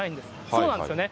そうなんですよね、